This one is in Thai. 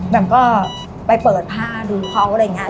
แบบก็ไปเปิดผ้าดูเขาอะไรอย่างนี้